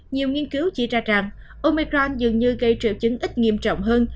nhiều nghiên cứu chỉ ra rằng omecram dường như gây triệu chứng ít nghiêm trọng hơn